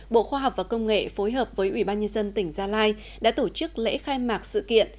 bộ khoa học và công nghệ phối hợp với ủy ban nhân dân tỉnh gia lai đã tổ chức lễ khai mạc sự kiện